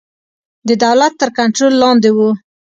د دولت تر کنټرول لاندې وو.